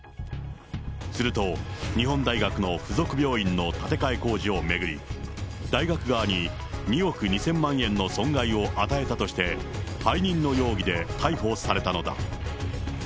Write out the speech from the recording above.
すると、日本大学の附属病院の建て替え工事を巡り、大学側に２億２０００万円の損害を与えたとして、背任の容疑で逮捕されたのだ。